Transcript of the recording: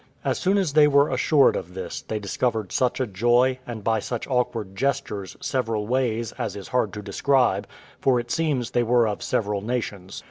As soon as they were assured of this, they discovered such a joy, and by such awkward gestures, several ways, as is hard to describe; for it seems they were of several nations.